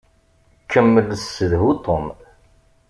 Kemmel ssedhu Tom.